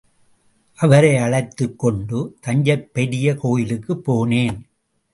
அவரை அழைத்துக் கொண்டு தஞ்சைப் பெரிய கோயிலுக்குப் போனேன்.